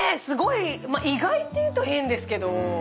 すごい意外って言うと変ですけど。